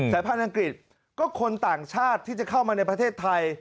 สายพันธ์อังกฤษก็คนต่างชาติที่จะเข้ามาในประเทศไทย